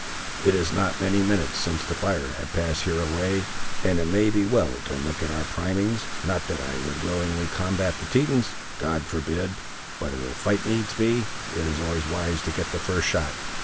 It is not many minutes since the fire has passed here away, and it may be well to look at our primings, not that I would willingly combat the Tetons, God forbid! but if a fight needs be, it is always wise to get the first shot."